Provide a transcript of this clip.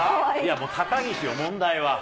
もう、高岸よ、問題は。